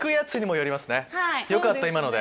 よかった今ので。